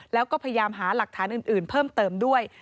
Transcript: แล้วก็พยายามหาหลักฐานอื่นเพิ่มเติมด้วย